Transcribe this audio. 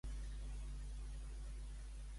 Com va iniciar el debat Rahola?